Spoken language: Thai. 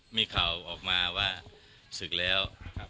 มีข่าวออกมาว่าศึกแล้ว